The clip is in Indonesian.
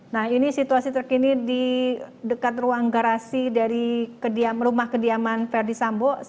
nah ini situasi terkini di dekat ruang garasi dari rumah kediaman verdi sambo